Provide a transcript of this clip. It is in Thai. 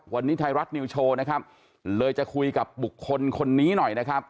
วันนี้ไทยรัฐนิวโชว์นะครับเลยจะคุยกับบุคคลคนนี้หน่อยนะครับ